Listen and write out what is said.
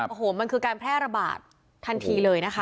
โอ้โหมันคือการแพร่ระบาดทันทีเลยนะคะ